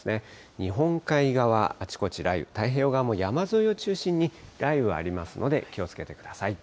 日本海側、あちこち雷雨、太平洋側も山沿いを中心に雷雨がありますので、気をつけてください。